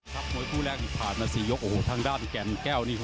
ท้ายครับกลุ่มผ่านมา๔ยกอโหทางด้านเอียดแกะแก้วนี่